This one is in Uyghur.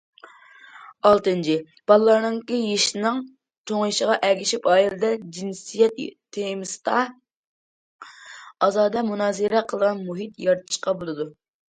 ئالتىنچى، بالىلارنىڭ يېشىنىڭ چوڭىيىشىغا ئەگىشىپ، ئائىلىدە جىنسىيەت تېمىسىدا ئازادە مۇنازىرە قىلىدىغان مۇھىت يارىتىشقا بولىدۇ.